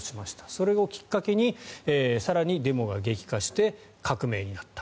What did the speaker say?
それをきっかけに更にデモが激化して革命になった。